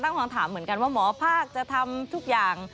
คำถามเหมือนกันว่าหมอภาคจะทำทุกอย่าง